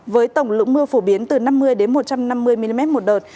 với tổng lượng mưa phổ biến từ năm mươi một trăm năm mươi mm một đợt